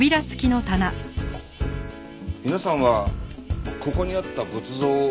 皆さんはここにあった仏像を見た事は？